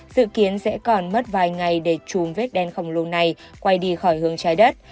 dự kiến sẽ còn mất vài ngày để chùm vết đen khổng lồ này quay đi khỏi hướng trái đất